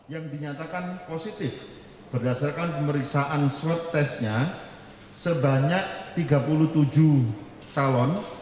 yang dinyatakan positif berdasarkan pemeriksaan swab testnya sebanyak tiga puluh tujuh calon